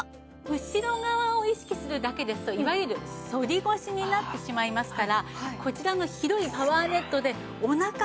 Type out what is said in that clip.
後ろ側を意識するだけですといわゆる反り腰になってしまいますからこちらの広いパワーネットでお腹側もサポートしています。